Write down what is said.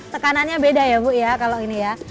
tekanannya beda ya bu ya kalau ini ya